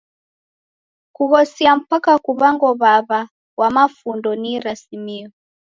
Kughosia mpaka kuw'ango w'aw'a wa mafundo ni irasimio.